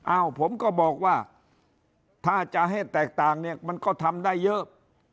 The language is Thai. อ้าวผมก็บอกว่าถ้าจะให้แตกต่างเนี่ยมันก็ทำได้เยอะ